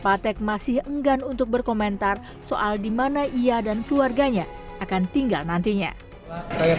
patek masih enggan untuk berkomentar soal dimana ia dan keluarganya akan tinggal nantinya proyek